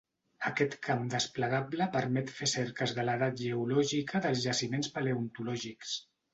Aquest camp desplegable permet fer cerques de l'edat geològica dels jaciments paleontològics.